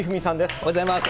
おはようございます。